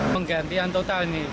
menggantian total ini